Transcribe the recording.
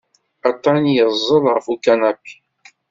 Atan yeẓẓel ɣef ukanapi.